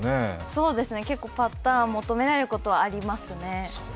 そうですね、結構パターン求められることありますね。